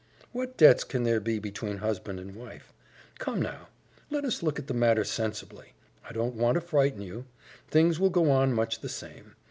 "What debts can there be between husband and wife? Come now, let us look at the matter sensibly. I don't want to frighten you. Things will go on much the same.